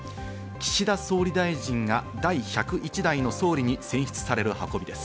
岸田総理大臣が第１０１代の総理に選出される運びです。